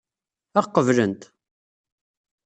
Ad ɣ-qeblent?